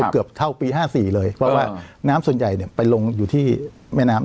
เกือบเท่าปี๕๔เลยเพราะว่าน้ำส่วนใหญ่ไปลงอยู่ที่แม่น้ำ